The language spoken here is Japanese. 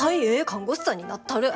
看護師さんになったる。